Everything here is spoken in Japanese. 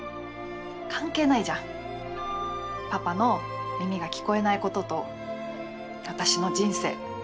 関係ないじゃんパパの耳が聞こえないことと私の人生。